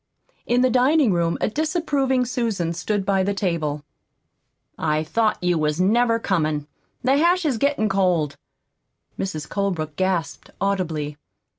In the dining room a disapproving Susan stood by the table. "I thought you wasn't never comin'. The hash is gettin' cold." Mrs. Colebrook gasped audibly.